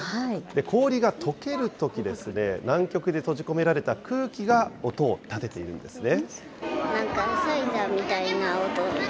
氷がとけるときですね、南極で閉じ込められた空気が音を立てているんですね。